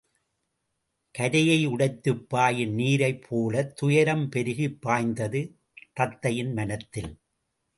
கரையை உடைத்துப் பாயும் நீரைப் போலத் துயரம் பெருகிப் பாய்ந்தது தத்தையின் மனத்தில்.